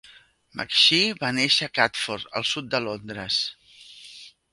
McShee va néixer a Catford, al sud de Londres.